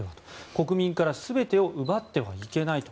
国民から全てを奪ってはいけないと。